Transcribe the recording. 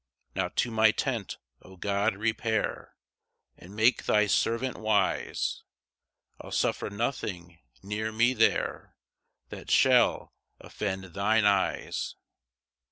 2 Now to my tent, O God, repair, And make thy servant wise; I'll suffer nothing near me there That shall offend thine eyes.